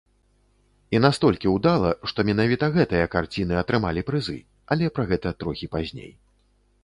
І настолькі ўдала, што менавіта гэтыя карціны атрымалі прызы, але пра гэта трохі пазней.